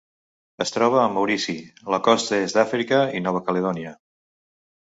Es troba a Maurici, la costa est d'Àfrica i Nova Caledònia.